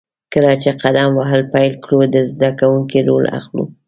کله چې قدم وهل پیل کړو، د زده کوونکي رول اخلو.